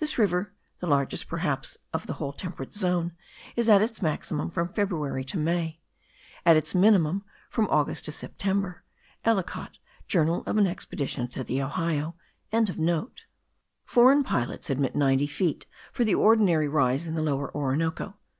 This river (the largest perhaps of the whole temperate zone) is at its maximum from February to May; at its minimum in August and September. Ellicott, Journal of an Expedition to the Ohio.) Foreign pilots admit ninety feet for the ordinary rise in the Lower Orinoco. M.